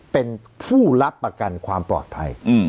เป็นผู้รับประกันความปลอดภัย